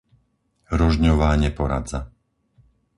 Rožňová Neporadza